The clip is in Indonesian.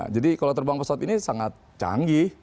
jadi kalau terbang pesawat ini sangat canggih